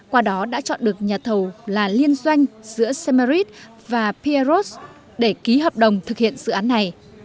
qua đó đã chọn được nhà thầu là liên doanh giữa semarit và pierrot để ký hợp đồng thực hiện dự án này